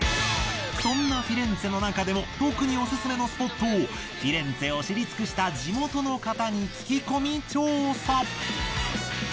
そんなフィレンツェの中でも特におすすめのスポットをフィレンツェを知り尽くした地元の方に聞き込み調査！